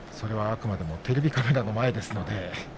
あくまでもテレビカメラの前です。